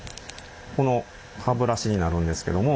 この歯ブラシになるんですけども。